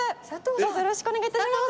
どうぞよろしくお願い致します！